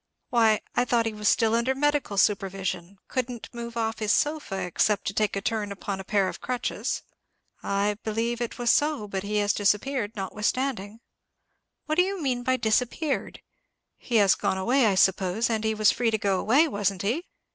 Why, I thought he was still under medical supervision—couldn't move off his sofa, except to take a turn upon a pair of crutches." "I believe it was so, but he has disappeared notwithstanding." "What do you mean by disappeared? He has gone away, I suppose, and he was free to go away, wasn't he?"